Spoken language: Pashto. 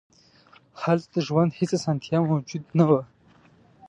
هلته د ژوند هېڅ اسانتیا موجود نه وه.